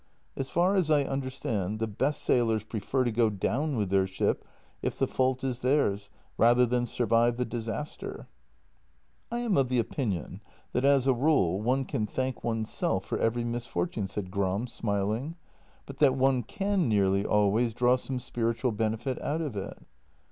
As far as I understand, the best sailors prefer to go down with their ship if the fault is theirs, rather than survive the dis aster." " I am of the opinion that, as a rule, one can thank oneself for every misfortune," said Gram, smiling, " but that one can nearly always draw some spiritual benefit out of it."